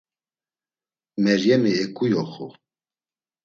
Meryemi eǩuyoxu.